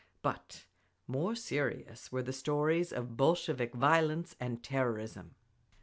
But more serious were the stories of Bolshevik violence and terrorism.